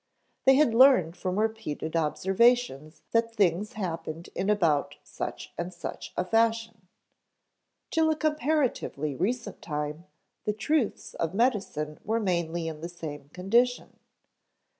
They had learned from repeated observations that things happened in about such and such a fashion. Till a comparatively recent time, the truths of medicine were mainly in the same condition.